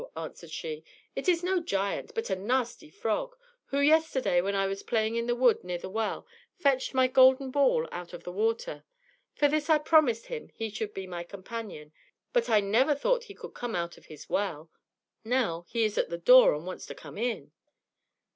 answered she, "it is no giant, but a nasty frog, who yesterday, when I was playing in the wood near the well, fetched my golden ball out of the water. For this I promised him he should be my companion, but I never thought he could come out of his well. Now he is at the door, and wants to come in."